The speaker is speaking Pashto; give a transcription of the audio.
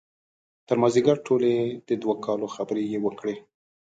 تر مازدیګر ټولې د دوه کالو خبرې یې وکړې.